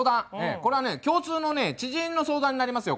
これはね共通のね知人の相談になりますよ